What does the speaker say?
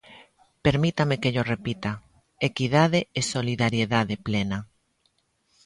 Permítame que llo repita: equidade e solidariedade plena.